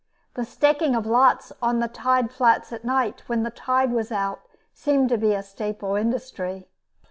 The staking of lots on the tide flats at night, when the tide was out, seemed to be a staple industry.